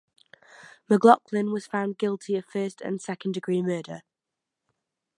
McLaughlin was found guilty of first and second-degree murder.